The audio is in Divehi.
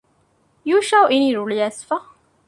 ޔޫޝައު އިނީ ރުޅިއައިސްފަ